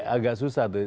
agak susah tuh